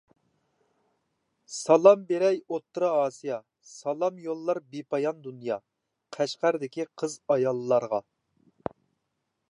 سالام بېرەر ئوتتۇرا ئاسىيا، سالام يوللار بىپايان دۇنيا، قەشقەردىكى قىز-ئاياللارغا.